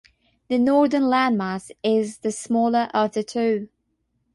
The northern landmass is the smaller of the two.